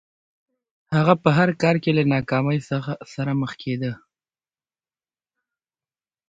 هغه به په هر کار کې له ناکامۍ سره مخ کېده